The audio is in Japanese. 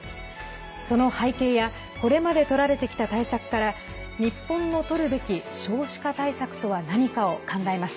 その背景やこれまでとられてきた対策から日本のとるべき少子化対策とは何かを考えます。